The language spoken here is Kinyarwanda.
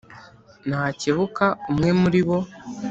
Nakebuka umwe muli bo